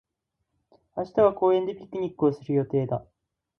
明日は公園でピクニックをする予定だ。